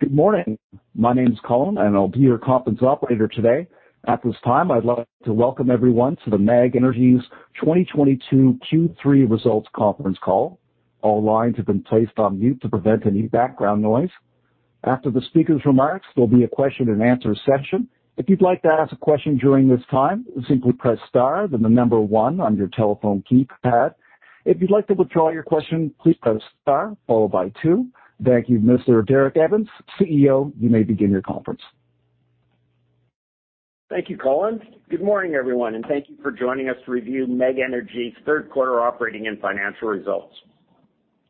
Good morning. My name is Colin, and I'll be your conference operator today. At this time, I'd like to welcome everyone to the MEG Energy's 2022 Q3 Results Conference Call. All lines have been placed on mute to prevent any background noise. After the speaker's remarks, there'll be a question-and-answer session. If you'd like to ask a question during this time, simply press star, then the number one on your telephone keypad. If you'd like to withdraw your question, please press star followed by two. Thank you, Mr. Derek Evans, CEO. You may begin your conference. Thank you, Colin. Good morning, everyone, and thank you for joining us to review MEG Energy's third quarter operating and financial results.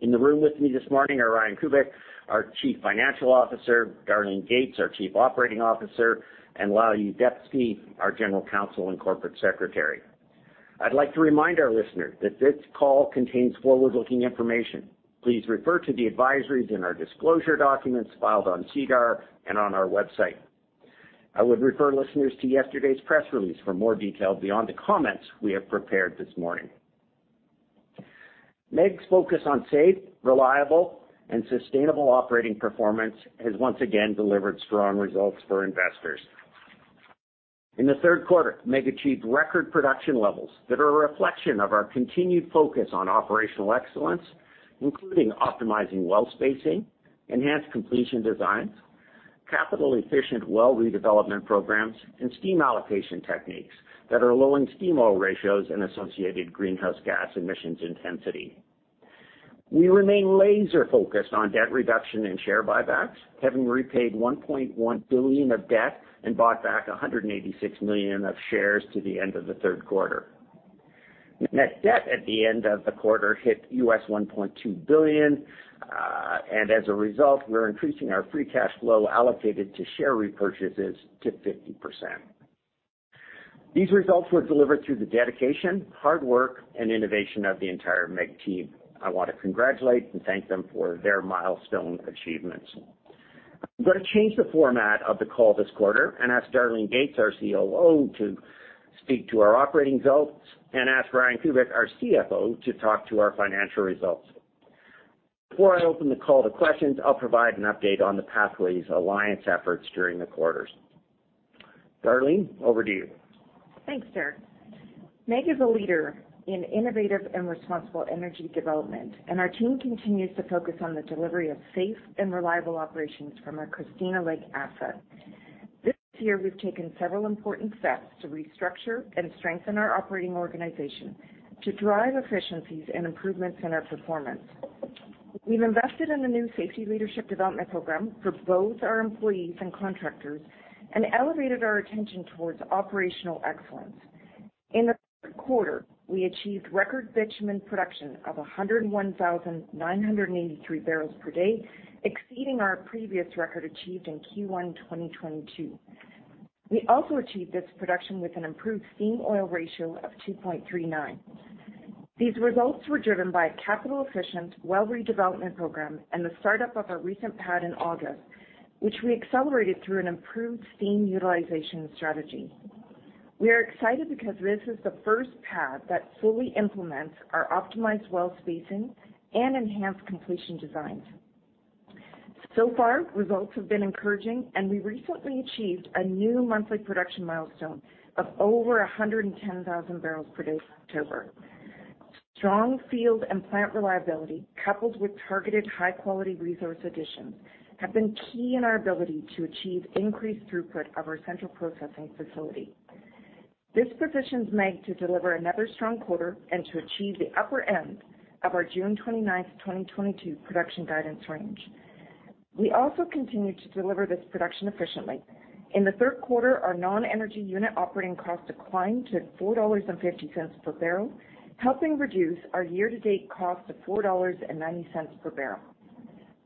In the room with me this morning are Ryan Kubik, our Chief Financial Officer, Darlene Gates, our Chief Operating Officer, and Lyle Yuzdepski, our General Counsel and Corporate Secretary. I'd like to remind our listeners that this call contains forward-looking information. Please refer to the advisories in our disclosure documents filed on SEDAR and on our website. I would refer listeners to yesterday's press release for more detail beyond the comments we have prepared this morning. MEG's focus on safe, reliable, and sustainable operating performance has once again delivered strong results for investors. In the third quarter, MEG achieved record production levels that are a reflection of our continued focus on operational excellence, including optimizing well spacing, enhanced completion designs, capital-efficient well redevelopment programs, and steam allocation techniques that are lowering steam-oil ratios and associated greenhouse gas emissions intensity. We remain laser-focused on debt reduction and share buybacks, having repaid $1.1 billion of debt and bought back 186 million share buybacks to the end of the third quarter. Net debt at the end of the quarter hit $1.2 billion, and as a result, we're increasing our free cash flow allocated to share repurchases to 50%. These results were delivered through the dedication, hard work, and innovation of the entire MEG team. I wanna congratulate and thank them for their milestone achievements. I'm gonna change the format of the call this quarter and ask Darlene Gates, our COO, to speak to our operating results and ask Ryan Kubik, our CFO, to talk to our financial results. Before I open the call to questions, I'll provide an update on the Pathways Alliance efforts during the quarters. Darlene, over to you. Thanks, Derek. MEG is a leader in innovative and responsible energy development, and our team continues to focus on the delivery of safe and reliable operations from our Christina Lake asset. This year, we've taken several important steps to restructure and strengthen our operating organization to drive efficiencies and improvements in our performance. We've invested in a new safety leadership development program for both our employees and contractors and elevated our attention towards operational excellence. In the third quarter, we achieved record bitumen production of 101,983 barrels per day, exceeding our previous record achieved in Q1 2022. We also achieved this production with an improved steam-oil ratio of 2.39. These results were driven by a capital-efficient well redevelopment program and the start-up of our recent pad in August, which we accelerated through an improved steam utilization strategy. We are excited because this is the first pad that fully implements our optimized well spacing and enhanced completion designs. So far, results have been encouraging, and we recently achieved a new monthly production milestone of over 110,000 barrels per day in October. Strong field and plant reliability, coupled with targeted high-quality resource additions, have been key in our ability to achieve increased throughput of our Central Processing Facility. This positions MEG to deliver another strong quarter and to achieve the upper end of our June 29, 2022 production guidance range. We also continue to deliver this production efficiently. In the third quarter, our non-energy unit operating costs declined to 4.50 dollars per barrel, helping reduce our year-to-date cost to 4.90 per barrel.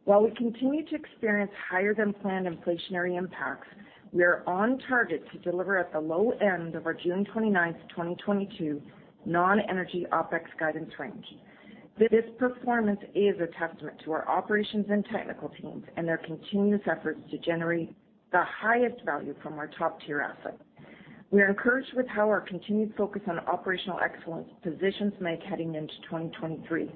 While we continue to experience higher-than-planned inflationary impacts, we are on target to deliver at the low end of our June 29, 2022 non-energy OpEx guidance range. This performance is a testament to our operations and technical teams and their continuous efforts to generate the highest value from our top-tier assets. We are encouraged with how our continued focus on operational excellence positions MEG heading into 2023.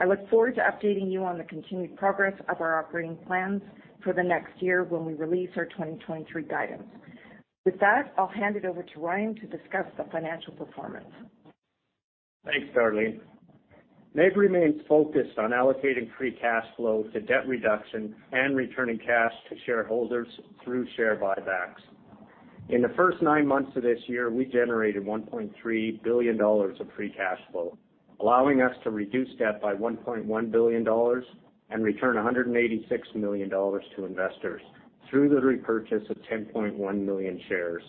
I look forward to updating you on the continued progress of our operating plans for the next year when we release our 2023 guidance. With that, I'll hand it over to Ryan to discuss the financial performance. Thanks, Darlene. MEG remains focused on allocating free cash flow to debt reduction and returning cash to shareholders through share buybacks. In the first nine months of this year, we generated 1.3 billion dollars of free cash flow, allowing us to reduce debt by 1.1 billion dollars and return 186 million dollars to investors through the repurchase of 10.1 million shares.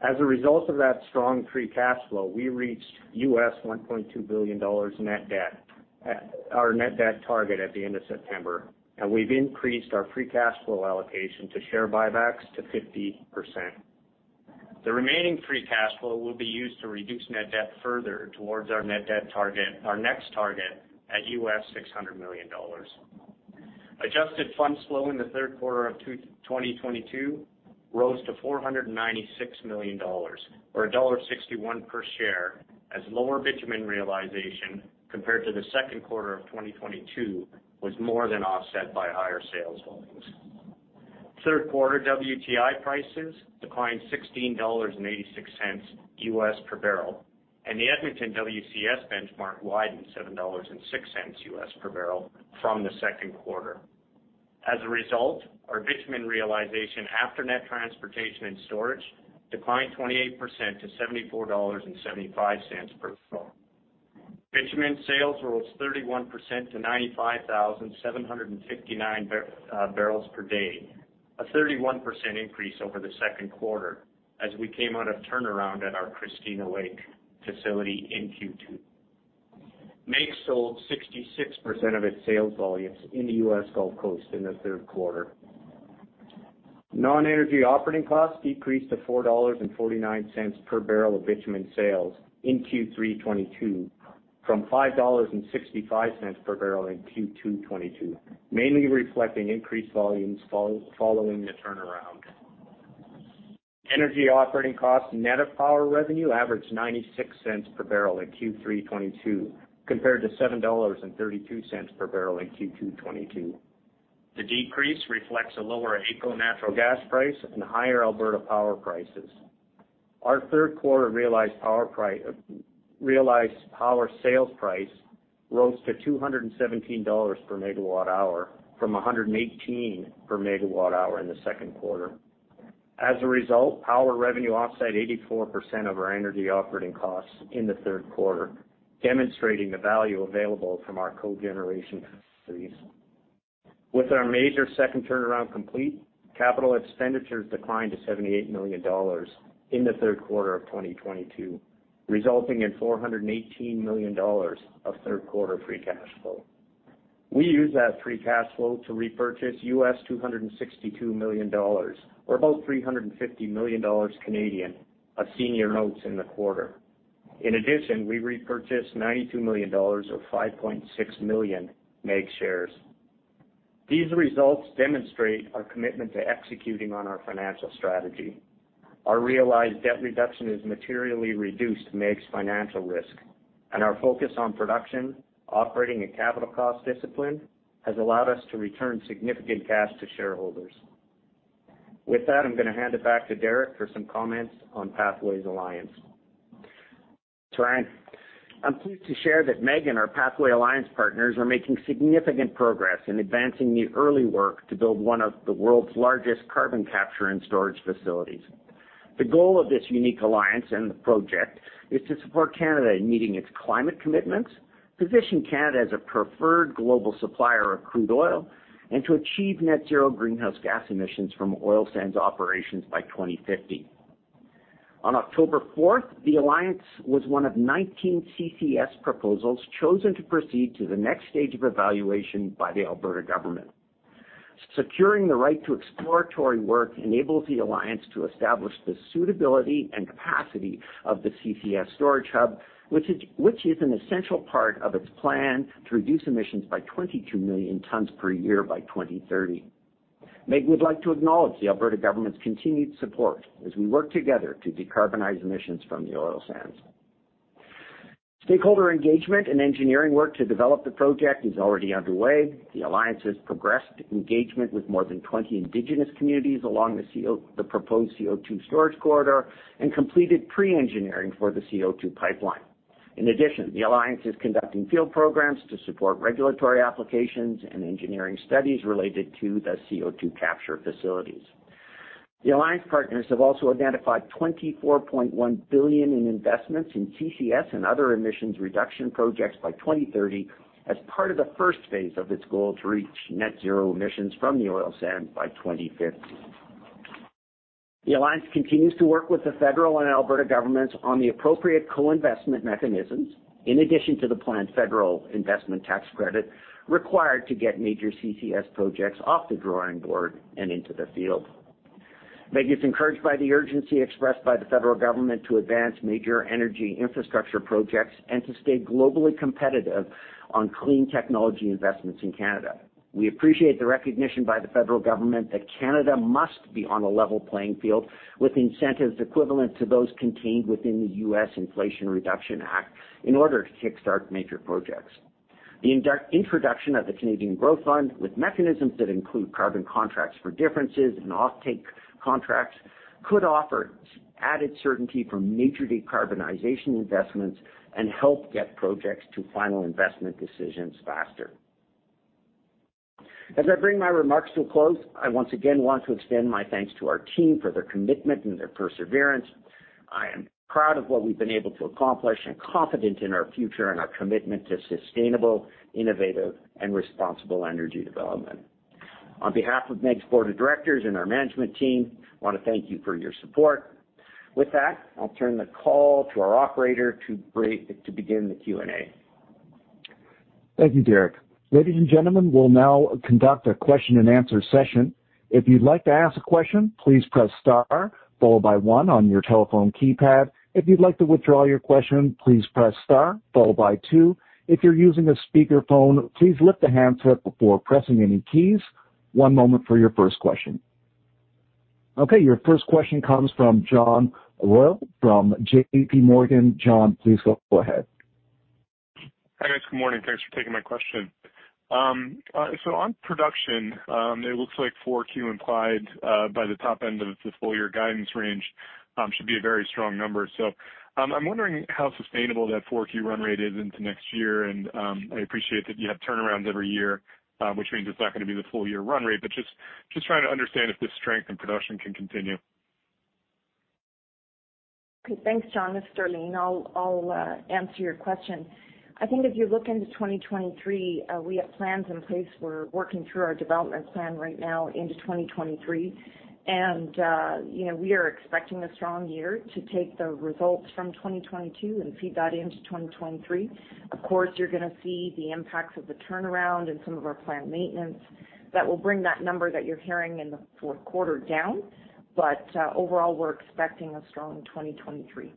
As a result of that strong free cash flow, we reached $1.2 billion net debt, our net debt target, at the end of September, and we've increased our free cash flow allocation to share buybacks to 50%. The remaining free cash flow will be used to reduce net debt further towards our net debt target, our next target, at $600 million. Adjusted funds flow in the third quarter of 2022 rose to 496 million dollars or dollar 1.61 per share as lower bitumen realization compared to the second quarter of 2022 was more than offset by higher sales volumes. Third quarter WTI prices declined $16.86 US per barrel, and the Edmonton WCS benchmark widened $7.06 US per barrel from the second quarter. As a result, our bitumen realization after net transportation and storage declined 28% to 74.75 dollars per barrel. Bitumen sales rose 31% to 95,759 barrels per day, a 31% increase over the second quarter as we came out of turnaround at our Christina Lake facility in Q2. MEG sold 66% of its sales volumes in the US Gulf Coast in the third quarter. Non-energy operating costs decreased to 4.49 dollars per barrel of bitumen sales in Q3 2022 from 5.65 dollars per barrel in Q2 2022, mainly reflecting increased volumes following the turnaround. Energy operating costs net of power revenue averaged 0.96 per barrel in Q3 2022 compared to 7.32 dollars per barrel in Q2 2022. The decrease reflects a lower AECO natural gas price and higher Alberta power prices. Our third quarter realized power sales price rose to 217 dollars per MWh from 118 per MWh in the second quarter. As a result, power revenue offset 84% of our energy operating costs in the third quarter, demonstrating the value available from our cogeneration facilities. With our major second turnaround complete, capital expenditures declined to 78 million dollars in the third quarter of 2022, resulting in 418 million dollars of third quarter free cash flow. We used that free cash flow to repurchase $262 million or about 350 million Canadian dollars of senior notes in the quarter. In addition, we repurchased 92 million dollars or 5.6 million MEG shares. These results demonstrate our commitment to executing on our financial strategy. Our realized debt reduction has materially reduced MEG's financial risk, and our focus on production, operating and capital cost discipline has allowed us to return significant cash to shareholders. With that, I'm gonna hand it back to Derek for some comments on Pathways Alliance. Thanks, Ryan. I'm pleased to share that MEG and our Pathways Alliance partners are making significant progress in advancing the early work to build one of the world's largest carbon capture and storage facilities. The goal of this unique alliance and the project is to support Canada in meeting its climate commitments, position Canada as a preferred global supplier of crude oil, and to achieve net zero greenhouse gas emissions from oil sands operations by 2050. On October fourth, the alliance was one of 19 CCS proposals chosen to proceed to the next stage of evaluation by the Alberta government. Securing the right to exploratory work enables the alliance to establish the suitability and capacity of the CCS storage hub, which is an essential part of its plan to reduce emissions by 22 million tons per year by 2030. MEG would like to acknowledge the Alberta government's continued support as we work together to decarbonize emissions from the oil sands. Stakeholder engagement and engineering work to develop the project is already underway. The alliance has progressed engagement with more than 20 Indigenous communities along the proposed CO2 storage corridor and completed pre-engineering for the CO2 pipeline. In addition, the alliance is conducting field programs to support regulatory applications and engineering studies related to the CO2 capture facilities. The alliance partners have also identified 24.1 billion in investments in CCS and other emissions reduction projects by 2030 as part of the first phase of its goal to reach net zero emissions from the oil sands by 2050. The alliance continues to work with the federal and Alberta governments on the appropriate co-investment mechanisms, in addition to the planned federal investment tax credit required to get major CCS projects off the drawing board and into the field. MEG is encouraged by the urgency expressed by the federal government to advance major energy infrastructure projects and to stay globally competitive on clean technology investments in Canada. We appreciate the recognition by the federal government that Canada must be on a level playing field with incentives equivalent to those contained within the US Inflation Reduction Act in order to kickstart major projects. The introduction of the Canada Growth Fund, with mechanisms that include carbon contracts for difference and offtake contracts, could offer added certainty for major decarbonization investments and help get projects to final investment decisions faster. As I bring my remarks to a close, I once again want to extend my thanks to our team for their commitment and their perseverance. I am proud of what we've been able to accomplish and confident in our future and our commitment to sustainable, innovative, and responsible energy development. On behalf of MEG's board of directors and our management team, I You know, as we roll all that up. With that, I'll turn the call to our operator to begin the Q&A. Thank you, Derek. Ladies and gentlemen, we'll now conduct a question and answer session. If you'd like to ask a question, please press star followed by one on your telephone keypad. If you'd like to withdraw your question, please press star followed by two. If you're using a speakerphone, please lift the handset before pressing any keys. One moment for your first question. Okay. Your first question comes from John Royall from JPMorgan. John, please go ahead. Hi, guys. Good morning. Thanks for taking my question. On production, it looks like 4Q implied by the top end of the full year guidance range should be a very strong number. I'm wondering how sustainable that 4Q run rate is into next year. I appreciate that you have turnarounds every year, which means it's not gonna be the full year run rate, but just trying to understand if the strength in production can continue. Okay, thanks, John. It's Darlene. I'll answer your question. I think if you look into 2023, we have plans in place. We're working through our development plan right now into 2023. You know, we are expecting a strong year to take the results from 2022 and feed that into 2023. Of course, you're gonna see the impacts of the turnaround and some of our plant maintenance that will bring that number that you're hearing in the fourth quarter down. Overall, we're expecting a strong 2023.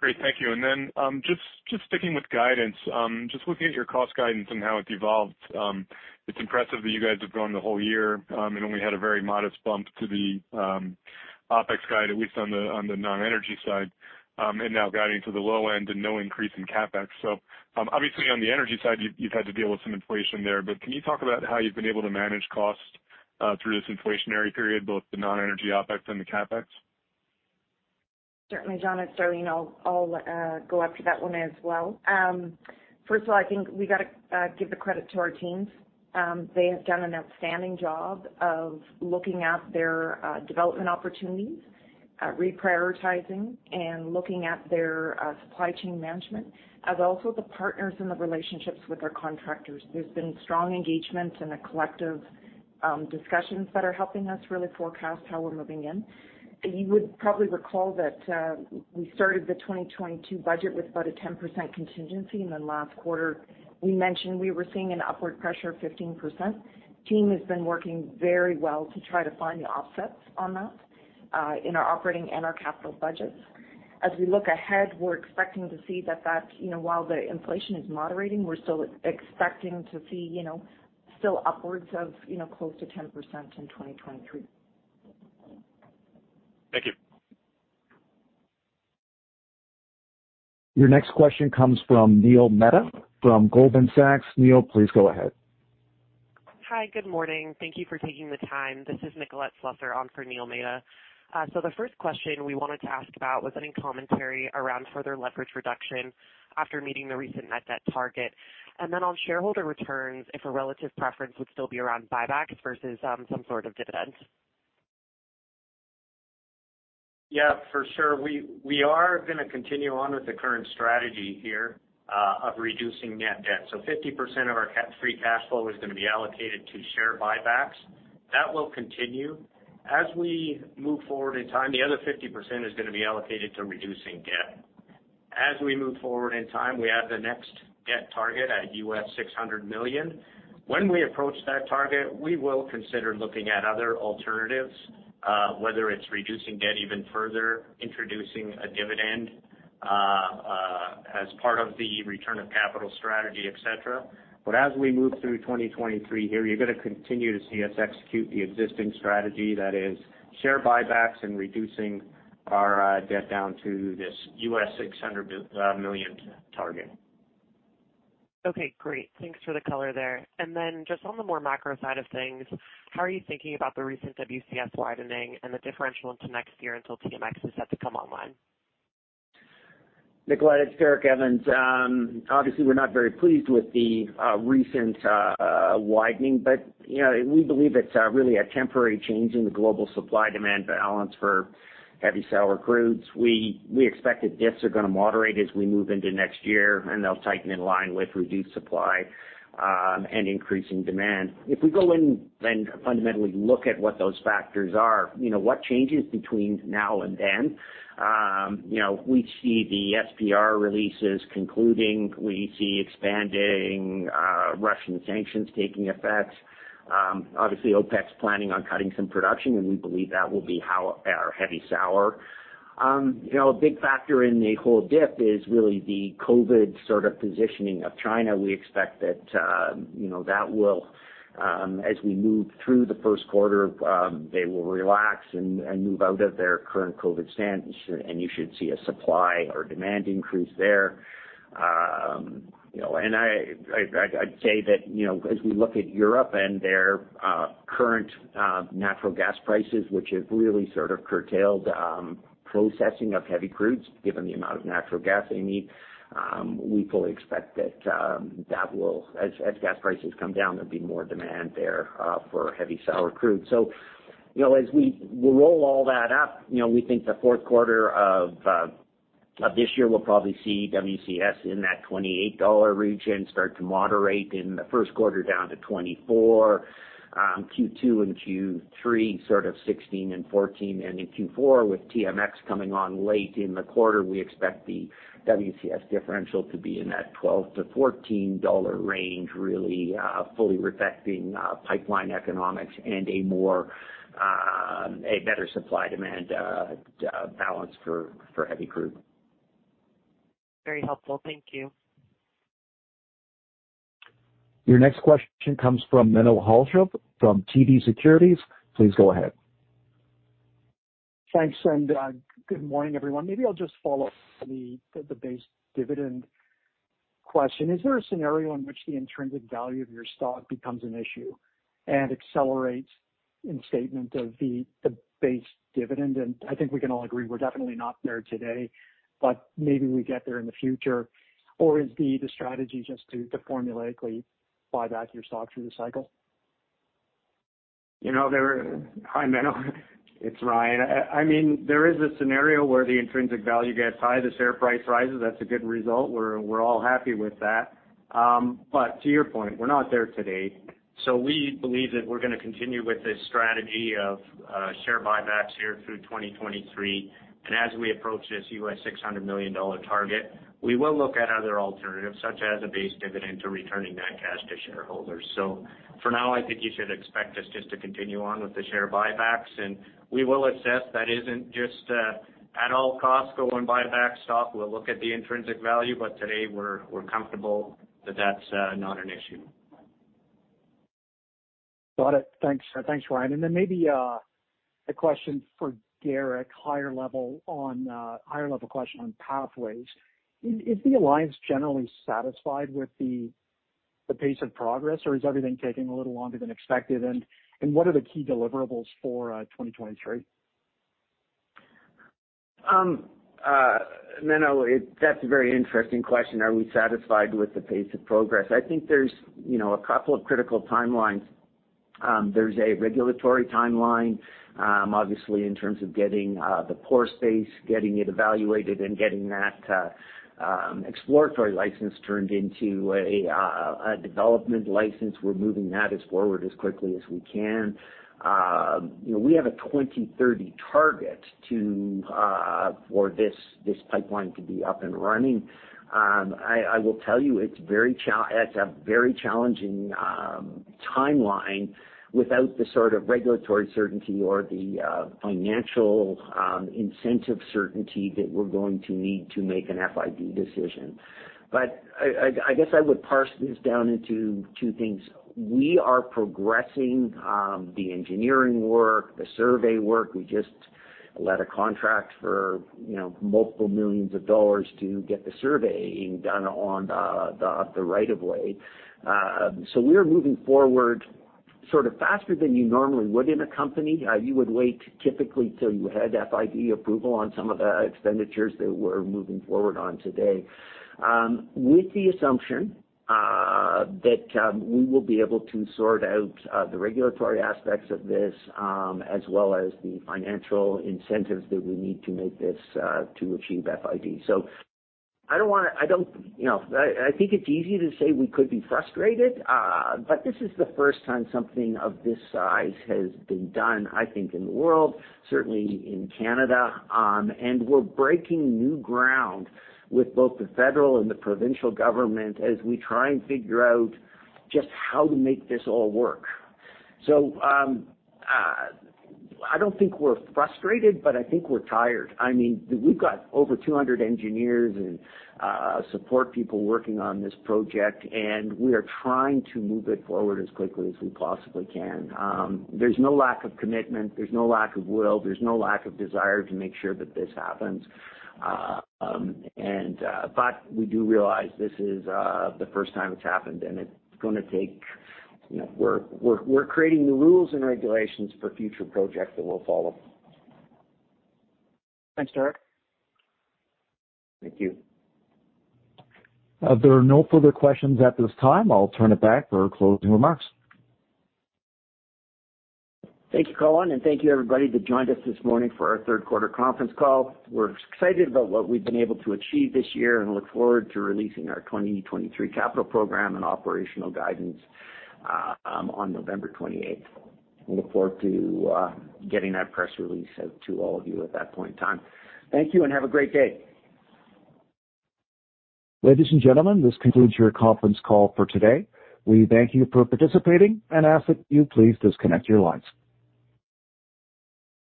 Great. Thank you. Just sticking with guidance, just looking at your cost guidance and how it's evolved, it's impressive that you guys have gone the whole year and only had a very modest bump to the OpEx guide, at least on the non-energy side, and now guiding to the low end and no increase in CapEx. Obviously on the energy side, you've had to deal with some inflation there, but can you talk about how you've been able to manage cost through this inflationary period, both the non-energy OpEx and the CapEx? Certainly, John. It's Darlene. I'll go after that one as well. First of all, I think we gotta give the credit to our teams. They have done an outstanding job of looking at their development opportunities, reprioritizing and looking at their supply chain management, as also the partners and the relationships with our contractors. There's been strong engagement and a collective discussions that are helping us really forecast how we're moving in. You would probably recall that we started the 2022 budget with about a 10% contingency, and then last quarter we mentioned we were seeing an upward pressure of 15%. Team has been working very well to try to find the offsets on that in our operating and our capital budgets. As we look ahead, we're expecting to see that that's, you know, while the inflation is moderating, we're still expecting to see, you know, still upwards of, you know, close to 10% in 2023. Thank you. Your next question comes from Neil Mehta from Goldman Sachs. Neil, please go ahead. Hi. Good morning. Thank you for taking the time. This is Nicolette Slusser on for Neil Mehta. So the first question we wanted to ask about was any commentary around further leverage reduction after meeting the recent net debt target. Then on shareholder returns, if a relative preference would still be around buybacks versus some sort of dividends. Yeah, for sure. We are gonna continue on with the current strategy here of reducing net debt. Fifty percent of our free cash flow is gonna be allocated to share buybacks. That will continue. As we move forward in time, the other 50% is gonna be allocated to reducing debt. As we move forward in time, we have the next debt target at $600 million. When we approach that target, we will consider looking at other alternatives, whether it's reducing debt even further, introducing a dividend, as part of the return of capital strategy, et cetera. As we move through 2023 here, you're gonna continue to see us execute the existing strategy, that is share buybacks and reducing our debt down to this $600 million target. Okay, great. Thanks for the color there. Just on the more macro side of things, how are you thinking about the recent WCS widening and the differential into next year until TMX is set to come online? Nicolette, it's Derek Evans. Obviously, we're not very pleased with the recent widening, but you know, we believe it's really a temporary change in the global supply-demand balance for heavy sour crudes. We expect that dips are gonna moderate as we move into next year, and they'll tighten in line with reduced supply and increasing demand. If we go in and fundamentally look at what those factors are, you know, what changes between now and then, you know, we see the SPR releases concluding. We see expanding Russian sanctions taking effect. Obviously, OPEC's planning on cutting some production, and we believe that will be or heavy sour. You know, a big factor in the whole dip is really the COVID sort of positioning of China. We expect that, you know, as we move through the first quarter, they will relax and move out of their current COVID stance, and you should see a supply or demand increase there. You know, I'd say that, you know, as we look at Europe and their current natural gas prices, which have really sort of curtailed processing of heavy crudes, given the amount of natural gas they need, we fully expect that as gas prices come down, there'll be more demand there for heavy sour crude. You know, as we roll all that up, you know, we think the fourth quarter of this year will probably see WCS in that $28 region start to moderate in the first quarter down to $24, Q2 and Q3, sort of $16 and $14. In Q4, with TMX coming on late in the quarter, we expect the WCS differential to be in that $12-$14 range, really, fully reflecting pipeline economics and a better supply-demand balance for heavy crude. Very helpful. Thank you. Your next question comes from Menno Hulshof from TD Securities. Please go ahead. Thanks, good morning, everyone. Maybe I'll just follow up the base dividend question. Is there a scenario in which the intrinsic value of your stock becomes an issue and accelerates in statement of the base dividend? I think we can all agree we're definitely not there today, but maybe we get there in the future. Or is the strategy just to formulaically buy back your stock through the cycle? You know, Hi, Menno. It's Ryan. I mean, there is a scenario where the intrinsic value gets high, the share price rises, that's a good result. We're all happy with that. To your point, we're not there today. We believe that we're gonna continue with this strategy of share buybacks here through 2023. As we approach this $600 million target, we will look at other alternatives such as a base dividend to returning that cash to shareholders. For now, I think you should expect us just to continue on with the share buybacks. We will assess that isn't just at all costs go and buy back stock. We'll look at the intrinsic value, but today we're comfortable that that's not an issue. Got it. Thanks. Thanks, Ryan. Then maybe a question for Derek. Higher level question on Pathways. Is the alliance generally satisfied with the pace of progress, or is everything taking a little longer than expected? What are the key deliverables for 2023? Menno, that's a very interesting question. Are we satisfied with the pace of progress? I think there's, you know, a couple of critical timelines. There's a regulatory timeline, obviously in terms of getting the pore space, getting it evaluated and getting that exploratory license turned into a development license. We're moving that as forward as quickly as we can. You know, we have a 2030 target for this pipeline to be up and running. I guess I would parse this down into two things. We are progressing the engineering work, the survey work. We just let a contract for, you know, CAD multiple millions to get the surveying done on the right of way. We're moving forward sort of faster than you normally would in a company. You would wait typically till you had FID approval on some of the expenditures that we're moving forward on today. With the assumption that we will be able to sort out the regulatory aspects of this, as well as the financial incentives that we need to make this to achieve FID. I don't wanna, you know, I think it's easy to say we could be frustrated, but this is the first time something of this size has been done, I think in the world, certainly in Canada. We're breaking new ground with both the federal and the provincial government as we try and figure out just how to make this all work. I don't think we're frustrated, but I think we're tired. I mean, we've got over 200 engineers and support people working on this project, and we are trying to move it forward as quickly as we possibly can. There's no lack of commitment, there's no lack of will, there's no lack of desire to make sure that this happens. But we do realize this is the first time it's happened and it's gonna take, you know. We're creating the rules and regulations for future projects that will follow. Thanks, Derek. Thank you. There are no further questions at this time. I'll turn it back for closing remarks. Thank you, Colin, and thank you, everybody, that joined us this morning for our third quarter conference call. We're excited about what we've been able to achieve this year and look forward to releasing our 2023 capital program and operational guidance on November twenty-eighth. We look forward to getting that press release out to all of you at that point in time. Thank you and have a great day. Ladies and gentlemen, this concludes your conference call for today. We thank you for participating and ask that you please disconnect your lines.